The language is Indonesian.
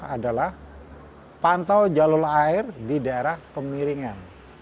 adalah pantau jalur air di daerah pemiringan